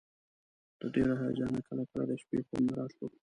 له ډېر هیجانه کله کله د شپې خوب نه راتللو.